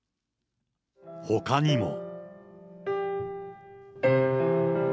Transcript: ほかにも。